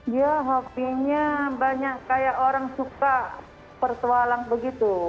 dia hobinya banyak kayak orang suka persualan begitu